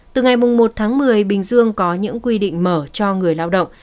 từ ngày một tháng một mươi bình dương có những quy định mở cho người lao động